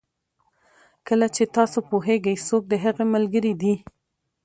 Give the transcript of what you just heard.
کله چې تاسو پوهېږئ څوک د هغه ملګري دي.